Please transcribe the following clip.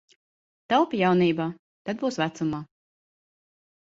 Taupi jaunībā, tad būs vecumā.